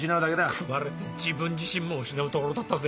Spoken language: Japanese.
食われて自分自身も失うところだったぜ。